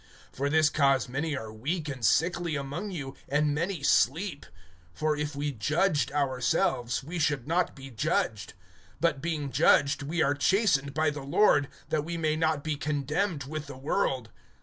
(30)For this cause many are weak and sickly among you, and many sleep. (31)For if we judged ourselves; we should not be judged. (32)But being judged, we are chastened by the Lord, that we may not be condemned with the world.